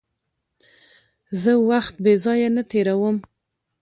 زه وخت بېځایه نه تېرووم.